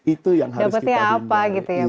itu yang harus kita bimbangkan